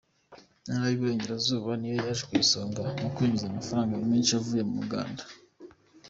Intara y’Iburengerazuba niyo yaje ku isonga mu kwinjiza amafaranga menshi avuye mu muganda.